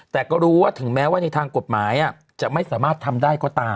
แต่ก็รู้ว่าถึงแม้ว่าในทางกฎหมายจะไม่สามารถทำได้ก็ตาม